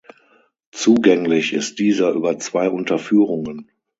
Zugänglich ist dieser über zwei Unterführungen.